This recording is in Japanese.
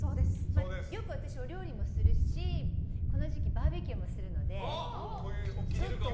よく私お料理もするしこの時期バーベキューもするので。